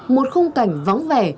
một khung cảnh vắng vẻ